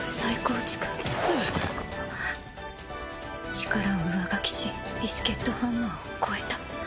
力を上書きしビスケットハンマーを超えた。